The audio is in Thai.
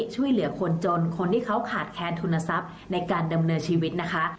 ช่วยเหลือคนจนคนที่เขาขาดแค้นทุนทรัพย์ในการดำเนินชีวิตนะคะ